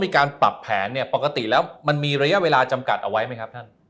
การปรับแผนเนี่ยปกติแล้วมันมีระยะเวลาจำกัดเอาไว้ไหมครับท่าน